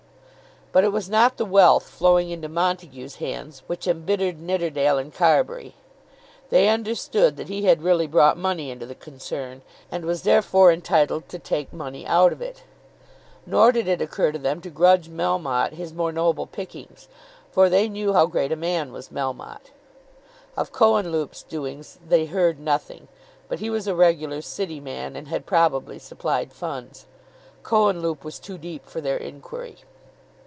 But it was not the wealth flowing into Montague's hands which embittered Nidderdale and Carbury. They understood that he had really brought money into the concern, and was therefore entitled to take money out of it. Nor did it occur to them to grudge Melmotte his more noble pickings, for they knew how great a man was Melmotte. Of Cohenlupe's doings they heard nothing; but he was a regular city man, and had probably supplied funds. Cohenlupe was too deep for their inquiry.